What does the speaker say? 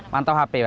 mantau hp apa gimana